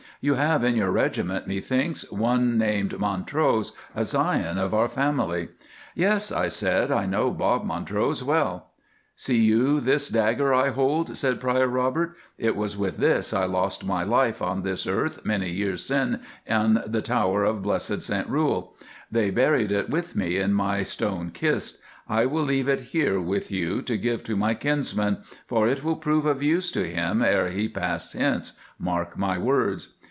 You have in your regiment, methinks, one named Montrose, a scion of our family.' "'Yes,' I said, 'I know Bob Montrose well.' "'See you this dagger I hold,' said Prior Robert, 'it was with this I lost my life on this earth many years syne on the tower of blessed St Rule. They buried it with me in my stone kist; I will leave it here with you to give to my kinsman, for it will prove of use to him e'er he pass hence—mark my words.